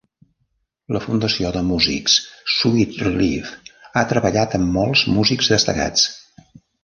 La fundació de músics Sweet Relief ha treballat amb molts músics destacats.